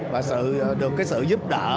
và được cái sự giúp đỡ